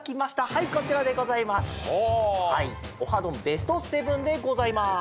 ベスト７でございます。